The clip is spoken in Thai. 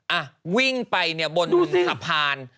อ่ะวิ่งไปบนสะพาน